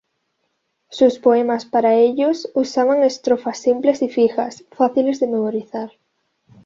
Sus poemas para ellos usaban estrofas simples y fijas, fáciles de memorizar.